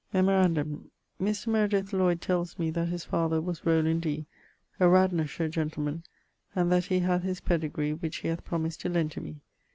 Memorandum: Mr. Meredith Lloyd tells me that his father was Roland Dee[DQ], a Radnorshire gentleman[LVII.], and that he hath his pedegree, which he hath promised to lend to me.